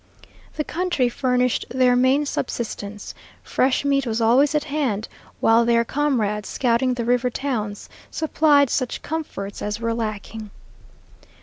The country furnished their main subsistence; fresh meat was always at hand, while their comrades, scouting the river towns, supplied such comforts as were lacking.